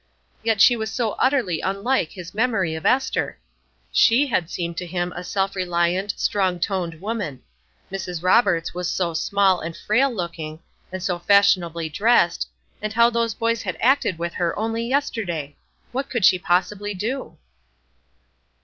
Yet she was so utterly unlike his memory of Ester! She had seemed to him a self reliant, strong toned woman; Mrs. Roberts was so small and frail looking, and so fashionably dressed, and how those boys had acted with her only yesterday! What could she possibly do?